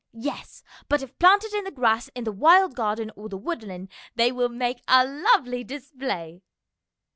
Yes, but if planted in the grass in the wild garden or the woodland they will make a lovely display."